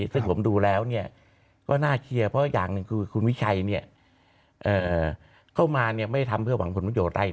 ซึ่งผมดูแล้วก็น่าเคลียร์เพราะอย่างหนึ่งคือคุณวิชัยเข้ามาไม่ทำเพื่อหวังผลประโยชน์อะไร